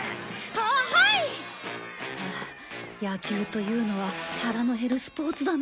ハア野球というのは腹の減るスポーツだな。